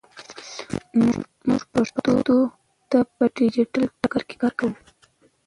موږ پښتو ته په ډیجیټل ډګر کې کار کوو.